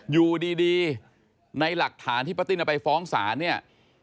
อยู่ดีในหลักฐานที่ป้าติ้นเอาไปฟ้องศาลเนี่ย